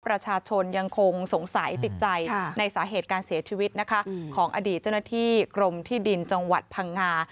ประชาชนยังคงสงสัยติดใจในสาเหตุการเสียชีวิตนะคะของอดีตเจ้าหน้าที่กรมที่ดินจังหวัดพังงา